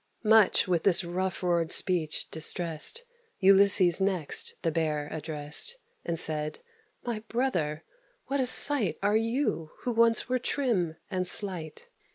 Much with this rough roared speech distressed, Ulysses next the Bear addressed, And said, "My brother, what a sight Are you, who once were trim and slight!"